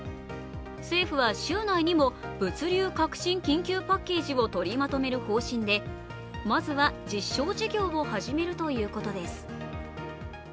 政府は週内にも物流革新緊急パッケージを取りまとめる方針でまずは実証事業を始めるということです。